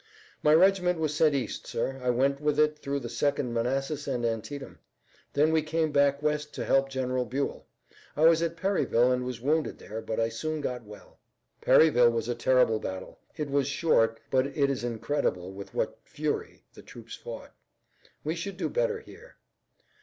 "My regiment was sent east, sir. I went with it through the Second Manassas and Antietam. Then we came back west to help General Buell. I was at Perryville and was wounded there, but I soon got well." "Perryville was a terrible battle. It was short, but it is incredible with what fury the troops fought. We should do better here."